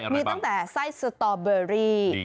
มีตั้งแต่ไส้สตอเบอรี่